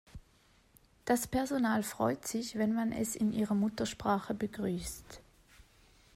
Das Personal freut sich, wenn man es in ihrer Muttersprache begrüßt.